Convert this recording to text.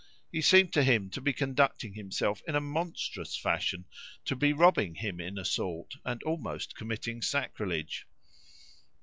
He seemed to him to be conducting himself in a monstrous fashion, to be robbing him in a sort, and almost committing sacrilege.